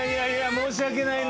申し訳ないね。